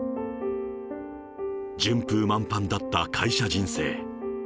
順風満帆だった会社人生。